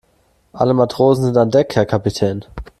Alle Matrosen sind an Deck, Herr Kapitän.